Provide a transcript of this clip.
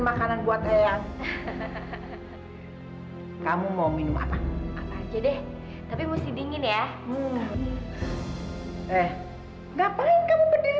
makanan buat ayah kamu mau minum apa aja deh tapi musti dingin ya eh ngapain kamu berdiri